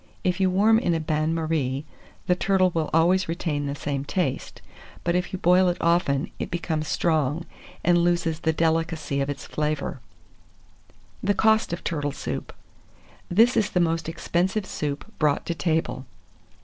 If you warm in a bain marie, the turtle will always retain the same taste; but if you boil it often, it becomes strong, and loses the delicacy of its flavour. THE COST OF TURTLE SOUP. This is the most expensive soup brought to table.